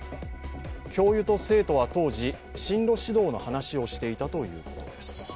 教諭と生徒は当時、進路指導の話をしていたということです。